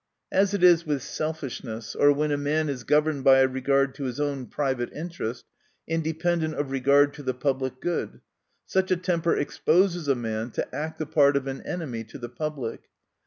— As it is with selfishness, or when a man is governed by a regard to his own private interest, independent of regard to the public good, such a temper exposes a man to act the part of an enemy to the public.